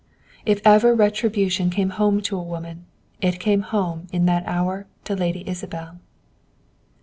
If ever retribution came home to woman, it came home in that hour to Lady Isabel.